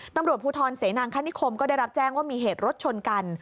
ตำรวจภูทรเสนางคณิคมก็ได้รับแจ้งว่ามีเหตุรถชนกัน